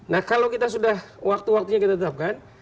nah kalau kita sudah waktu waktunya kita tetapkan